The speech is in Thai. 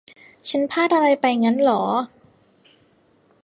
ฉันพลาดอะไรไปงั้นเหรอ ?